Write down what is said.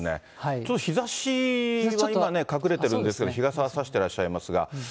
ちょっと日ざしは今ね、隠れてるんですけど、日傘は差してらっしゃいますが。